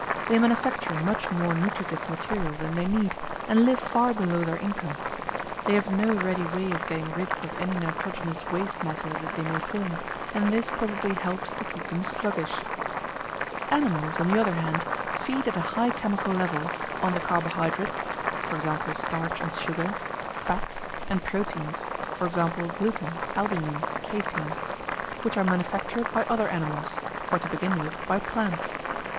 They manufacture much more nutritive material than they need, and live far below their income. They have no ready way of getting rid of any nitrogenous waste matter that they may form, and this probably helps to keep them sluggish. Animals, on the other hand, feed at a high chemical level, on the carbohydrates (e.g. starch and sugar), fats, and proteins (e.g. gluten, albumin, casein) which are manufactured by other animals, or to begin with, by plants.